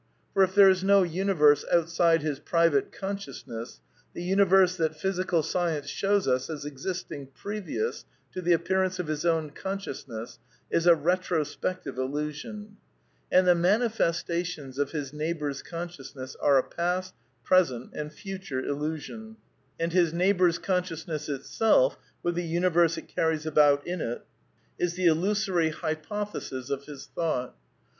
For ' if there is no universe outside his private consciousness, the universe that physical science shows us as existing pre vious to the appearance of his consciousness is a retro (/^ spective illusion; and the manifestations of his neigh bour's consciousness are a past, present and future illusion ; and his neighbour's consciousness itself, with the universe it carries about in it, is the illusory hypothesis of his ( 114 A DEFENCE OF IDEALISM thought.